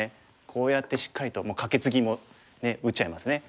こうやってしっかりともうカケツギもね打っちゃいますね。